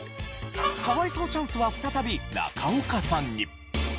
可哀想チャンスは再び中岡さんに。